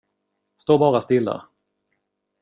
Stå bara stilla.